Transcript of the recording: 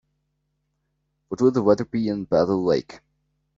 What will the weather be in Battle Lake?